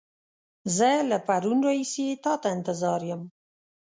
زه له پرون راهيسې تا ته انتظار يم.